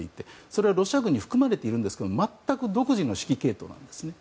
それはロシア軍に含まれているんですけど全く独自の指揮系統なんですね。